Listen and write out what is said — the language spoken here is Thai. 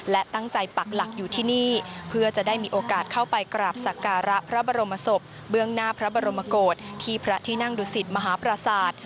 และตั้งใจปักหลักอยู่ที่นี่เพื่อจะได้มีโอกาสเข้าไปกราบสักการะพระบรมศพเบื้องหน้าพระบรมโกศที่พระที่นั่งดุสิตมหาปราศาสตร์